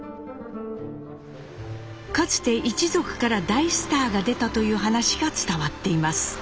かつて一族から大スターが出たという話が伝わっています。